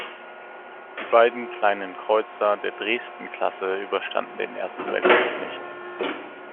Die beiden Kleinen Kreuzer der "Dresden"-Klasse überstanden den Ersten Weltkrieg nicht.